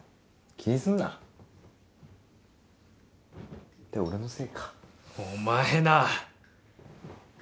気にすんなって俺のせいかお前なぁ！